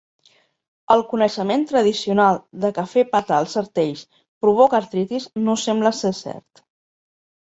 El coneixement tradicional de que fer petar els artells provoca artritis no sembla ser cert.